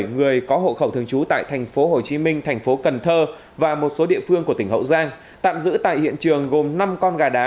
người có hộ khẩu thường trú tại tp hcm tp cn và một số địa phương của tỉnh hậu giang tạm giữ tại hiện trường gồm năm con gà đá